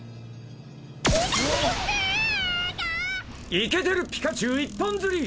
イケてるピカチュウ一本釣り！